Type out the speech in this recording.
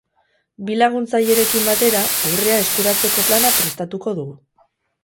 Bi laguntzailerekin batera, urrea eskuratzeko plana prestatuko du.